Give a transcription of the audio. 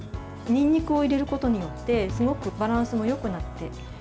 にんにくを入れることによってすごくバランスもよくなって。